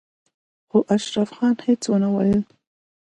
خو اشرف خان هېڅ ونه ويل.